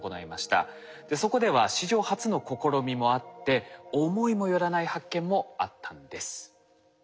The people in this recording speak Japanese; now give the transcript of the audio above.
そこでは史上初の試みもあって思いも寄らない発見もあったんです。